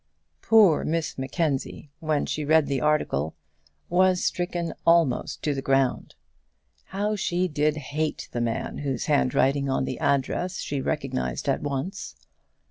Poor Miss Mackenzie, when she read the article, was stricken almost to the ground. How she did hate the man whose handwriting on the address she recognised at once!